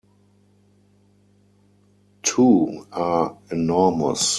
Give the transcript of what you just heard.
Two are enormous.